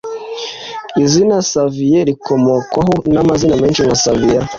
Izina Xavier rikomokwaho n’amazina menshi nka Xaveria